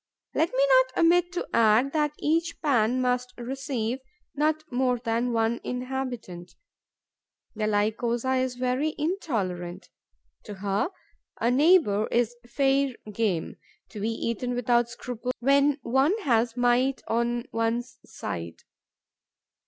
Let me not omit to add that each pan must receive not more than one inhabitant. The Lycosa is very intolerant. To her, a neighbour is fair game, to be eaten without scruple when one has might on one's side.